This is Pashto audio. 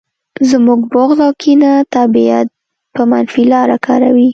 زموږ بغض او کینه طبیعت په منفي لاره کاروي